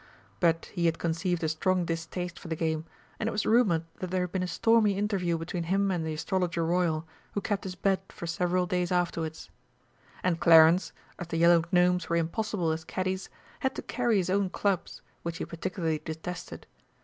But he had conceived a strong distaste for the game, and it was rumoured that there had been a stormy interview between him and the Astrologer Royal, who kept his bed for several days afterwards. And Clarence, as the Yellow Gnomes were impossible as caddies, had to carry his own clubs, which he particularly detested.